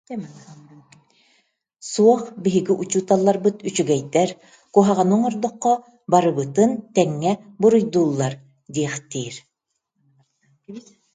«Суох, биһиги учууталларбыт үчүгэйдэр, куһаҕаны оҥордоххо барыбытын тэҥҥэ буруйдууллар» диэхтиир